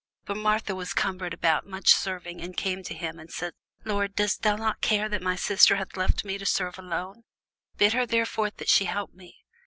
But Martha was cumbered about much serving, and came to him, and said, Lord, dost thou not care that my sister hath left me to serve alone? bid her therefore that she help me.